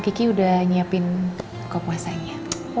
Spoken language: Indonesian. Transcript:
kiki udah nyiapin buka puasanya